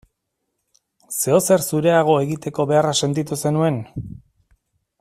Zeozer zureagoa egiteko beharra sentitu zenuen?